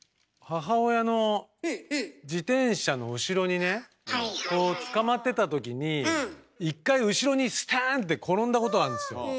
自転車の後ろにねこうつかまってた時に１回後ろにすてんって転んだことあるんですよ。